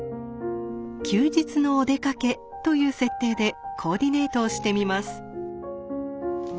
「休日のお出かけ」という設定でコーディネートをしてみます。